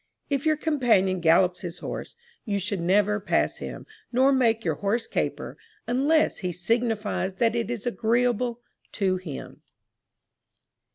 If your companion gallops his horse, you should never pass him, nor make your horse caper, unless he signifies that it is agreeable to him.